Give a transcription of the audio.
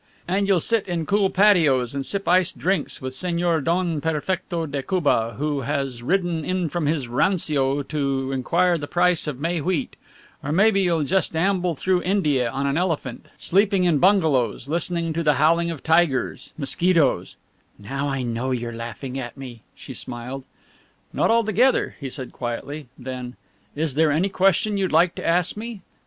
And you'll sit in cool patios and sip iced drinks with Señor Don Perfecto de Cuba who has ridden in from his rancio to inquire the price of May wheat, or maybe you'll just amble through India on an elephant, sleeping in bungalows, listening to the howling of tigers, mosquitoes " "Now I know you're laughing at me," she smiled. "Not altogether," he said quietly; then: "Is there any question you'd like to ask me?